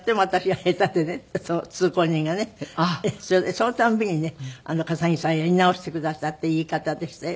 その度にね笠置さんやり直してくださっていい方でしたよ